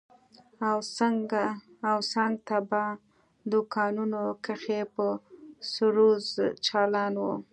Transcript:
او څنگ ته په دوکانونو کښې به سروذ چالان و.